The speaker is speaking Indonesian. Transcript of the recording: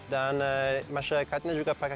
dan masyarakatnya juga pakai